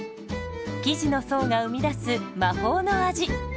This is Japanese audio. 生地の層が生み出す魔法の味。